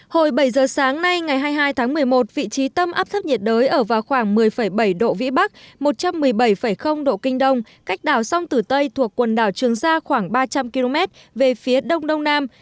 hồi bảy giờ sáng nay ngày hai mươi hai tháng một mươi một vị trí tâm áp thấp nhiệt đới ở vào khoảng một mươi bảy độ vĩ bắc một trăm một mươi bảy độ kinh đông cách đảo sông tử tây thuộc quần đảo trường sa khoảng ba trăm linh km về phía đông đông nam